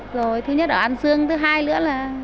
rồi thứ nhất ở an dương thứ hai nữa là